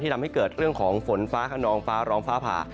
ทำให้เกิดเรื่องของฝนฟ้าขนองฟ้าร้องฟ้าผ่า